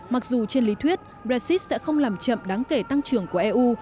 mặc dù trên lý thuyết brexit sẽ không làm chậm đáng kể tăng trưởng của eu